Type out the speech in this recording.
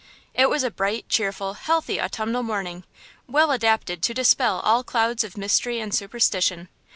It was a bright, cheerful, healthy autumnal morning, well adapted to dispel all clouds of mystery and superstition.